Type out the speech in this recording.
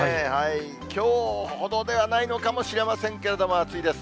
きょうほどではないのかもしれませんけれども、暑いです。